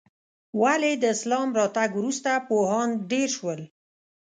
ولې د اسلام راتګ وروسته پوهان ډېر شول؟